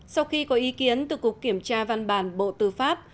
sau khi có ý kiến từ cục kiểm tra văn bản bộ tư pháp